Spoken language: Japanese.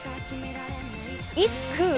いつ食う？